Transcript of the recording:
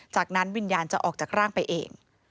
จากนั้นวิญญาณจะออกจากร่างไปเอง